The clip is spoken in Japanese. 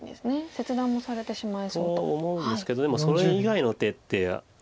切断もされてしまいそうと。と思うんですけどでもそれ以外の手って。